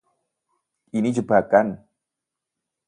Ini jebakan!